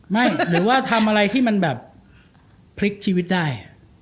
หรือว่าทำอะไรที่มันแบบพลิกชีวิตได้